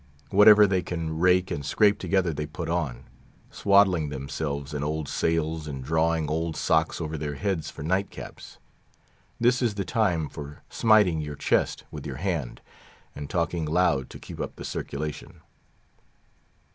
Whatever they can rake and scrape together they put on—swaddling themselves in old sails, and drawing old socks over their heads for night caps. This is the time for smiting your chest with your hand, and talking loud to keep up the circulation.